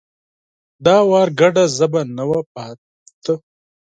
دا ځل ګډه ژبه نه وه پاتې